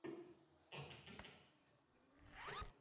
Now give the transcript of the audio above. Upumuaji hafifu na usio na mpangilio